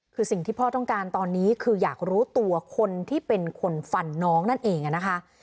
คือสิ่งที่พ่อต้องการตอนนี้คืออยากรู้ตัวคนที่เป็นคนฟันน้องนั่นเองนะคะ